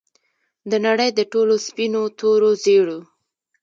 د نړۍ د ټولو سپینو، تورو، زیړو